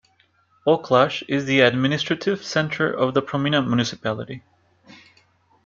Oklaj is the administrative centre of the Promina municipality.